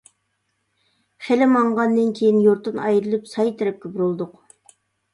خېلى ماڭغاندىن كېيىن يۇرتتىن ئايرىلىپ، ساي تەرەپكە بۇرۇلدۇق.